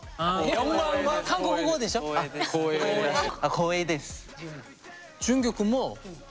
・光栄です。